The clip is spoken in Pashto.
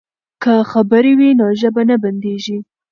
که خبرې وي نو ژبه نه بندیږي.